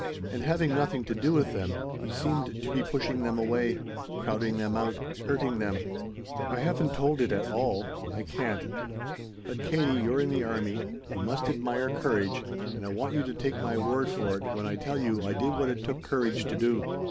"And having nothing to do with them, he seemed to be pushing them away, crowding them out, hurting them. "I haven't told it at all. I can't. But, Katie, you're in the army, you must admire courage and I want you to take my word for it when I tell you I did what it took courage to do.